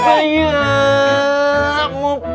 saya mau berubah